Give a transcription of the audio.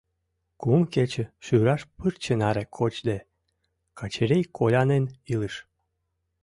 Кум кече шӱраш пырче наре кочде, Качырий колянен илыш.